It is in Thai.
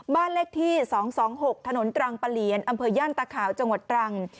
บ้านเลขที่๒๒๖ถนนตรังปะเหลียนอำเภอย่านตะขาวจังหวัดตรัง